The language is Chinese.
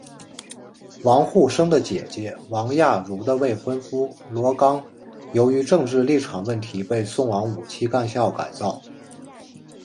王沪生的姐姐王亚茹的未婚夫罗冈由于政治立场问题被送往五七干校改造。